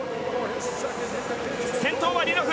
先頭はリロフ。